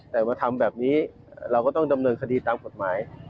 แต่มาทำแบบนี้เราก็ต้องดำเนินคดีตามกฎหมาย